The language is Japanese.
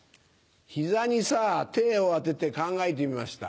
膝にさ手を当てて考えてみました。